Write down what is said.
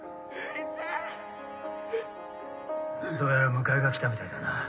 「どうやら迎えが来たみたいだな。